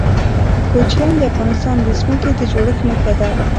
کوچیان د افغانستان د ځمکې د جوړښت نښه ده.